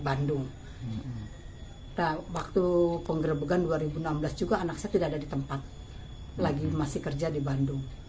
bandung waktu penggerebekan dua ribu enam belas juga anak saya tidak ada di tempat lagi masih kerja di bandung